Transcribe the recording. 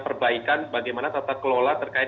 perbaikan bagaimana tata kelola terkait